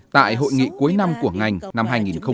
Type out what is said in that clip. tại hội nghị cuối năm của ngành năm hai nghìn một mươi chín